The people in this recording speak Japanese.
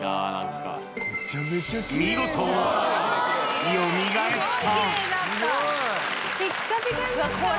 見事、よみがえった。